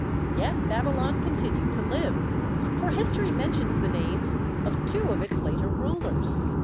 Yet Babylon continued to live, for history mentions the names of two of its later rulers.